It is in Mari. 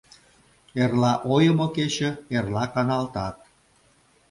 Эрла ойымо кече, эрла каналтат.